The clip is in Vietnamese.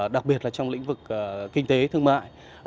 đặc biệt là trong lĩnh vực kinh tế thương mại